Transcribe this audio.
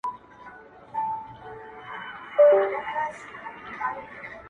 o خوار سړى، ابلک ئې سپى.